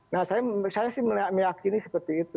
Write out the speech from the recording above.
nah saya sih meyakini seperti itu